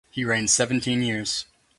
He reigned seventeen years.